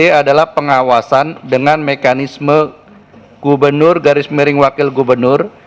ini adalah pengawasan dengan mekanisme gubernur garis miring wakil gubernur